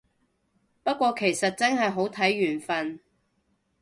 不過其實真係好睇緣份